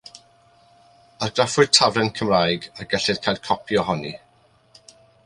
Argraffwyd taflen Gymraeg a gellir cael copi ohoni.